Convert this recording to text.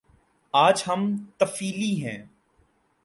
آج ہم طفیلی ہیں۔